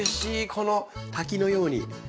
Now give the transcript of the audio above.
この滝のように。